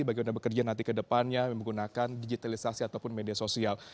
bagaimana bekerja nanti ke depannya menggunakan digitalisasi ataupun media sosial